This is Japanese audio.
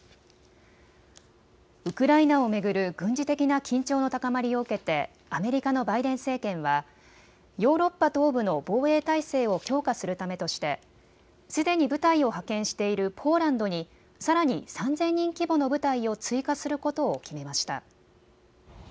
ウクライナを巡る軍事的な緊張の高まりを受けてアメリカのバイデン政権はヨーロッパ東部の防衛態勢を強化するためとしてすでに部隊を派遣しているポーランドにさらに３０００人規模の部隊を追加することを決めました。